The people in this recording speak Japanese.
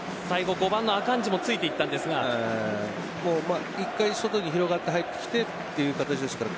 最後、５番のアカンジもボールについていったんですが１回、外に入ってきてという形です。